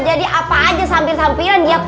jadi apa aja samping sampingan dia pakai